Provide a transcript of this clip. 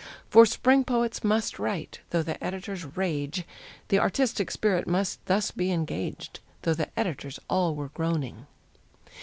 For Spring poets must write, though the editors rage, The artistic spirit must thus be engaged Though the editors all were groaning.